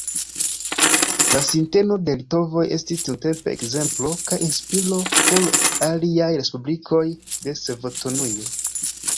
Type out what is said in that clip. La sinteno de litovoj estis tiutempe ekzemplo kaj inspiro por aliaj respublikoj de Sovetunio.